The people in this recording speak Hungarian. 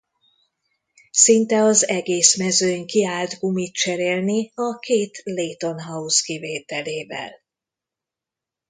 Szinte az egész mezőny kiállt gumit cserélni a két Leyton House kivételével.